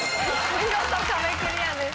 見事壁クリアです。